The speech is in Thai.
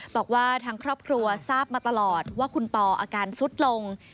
บอกว่าทางครอบครัวทราบมาตลอดว่าคุณปออาการสุดลง